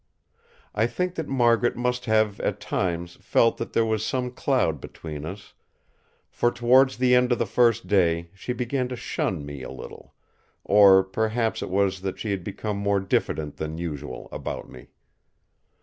I think that Margaret must have at times felt that there was some cloud between us, for towards the end of the first day she began to shun me a little; or perhaps it was that she had become more diffident that usual about me.